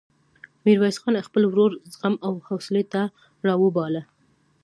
ميرويس خان خپل ورور زغم او حوصلې ته راوباله.